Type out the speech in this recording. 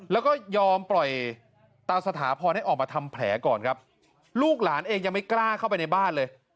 แล้วก็ยอมปล่อยตาสถาพรให้ออกมาทำแผลก่อนครับลูกหลานเองยังไม่กล้าเข้าไปในบ้านเลย